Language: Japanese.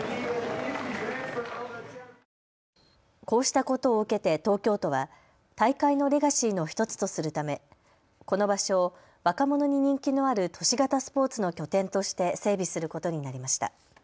こうしたことを受けて東京都は大会のレガシーの１つとするためこの場所を若者に人気のある都市型スポーツの拠点として整備することになりました。